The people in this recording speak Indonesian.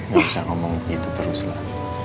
gak usah ngomong itu terus lah